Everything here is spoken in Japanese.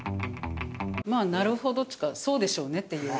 まあなるほどっていうかそうでしょうねっていう。